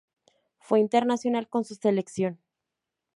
Fue internacional con su selección.